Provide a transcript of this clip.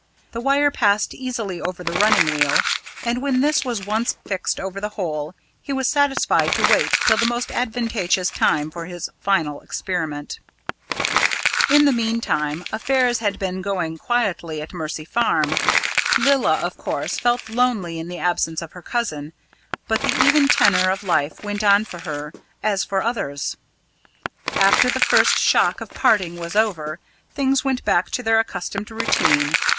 The wire passed easily over the running wheel, and when this was once fixed over the hole, he was satisfied to wait till the most advantageous time for his final experiment. In the meantime, affairs had been going quietly at Mercy Farm. Lilla, of course, felt lonely in the absence of her cousin, but the even tenor of life went on for her as for others. After the first shock of parting was over, things went back to their accustomed routine.